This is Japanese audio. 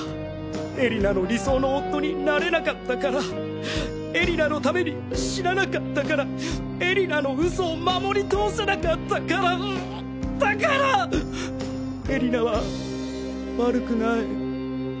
絵里菜の理想の夫になれなかったから絵里菜のために死ななかったから絵里菜の嘘を守り通せなかったからだから絵里菜は悪くない。